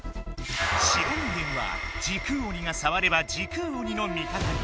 白人間は時空鬼がさわれば時空鬼の味方に。